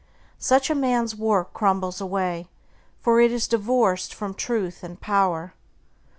Such a man's work crumbles away, for it is divorced from Truth and power.